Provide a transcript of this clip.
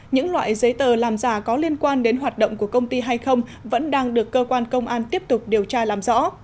những loại giấy tờ làm giả có liên quan đến hoạt động của công ty hay không vẫn đang được cơ quan công an tiếp tục điều tra làm rõ